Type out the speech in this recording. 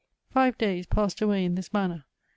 Five days passed away in this manner.